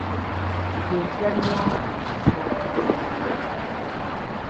Nze ntya nnyo empiso.